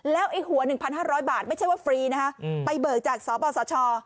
แล้วไอ้หัว๑๕๐๐บาทไม่ใช่ว่าฟรีนะฮะไปเบิกจากสปสช